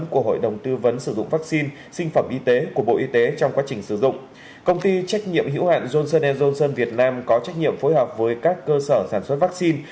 công ty trách nhiệm hữu hạn johnson johnson việt nam có trách nhiệm phối hợp với các cơ sở sản xuất vaccine